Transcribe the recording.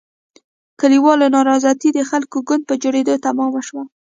کلیوالو نارضایتي د خلکو ګوند په جوړېدو تمامه شوه.